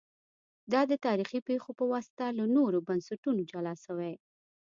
دا د تاریخي پېښو په واسطه له نورو بنسټونو جلا سوي